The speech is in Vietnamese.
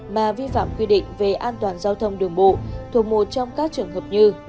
mà vi phạm quy định về an toàn giao thông đường bộ thuộc một trong các trường hợp như